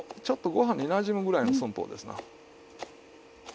ちょっとご飯になじむぐらいの寸法ですな。